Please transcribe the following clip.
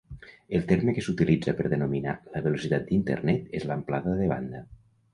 El terme que s'utilitza per denominar la velocitat d'Internet és amplada de banda.